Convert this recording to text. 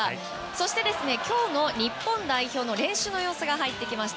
そして、今日の日本代表の練習の様子が入ってきました。